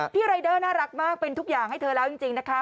รายเดอร์น่ารักมากเป็นทุกอย่างให้เธอแล้วจริงนะคะ